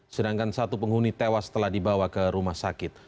sedangkan satu penghuni tewas telah dibawa ke rumah sakit